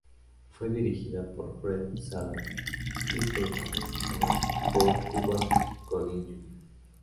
Fue dirigida por Fred Savage y protagonizada por Cuba Gooding Jr.